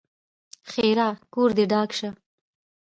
ښېرا: کور دې ډاک شه!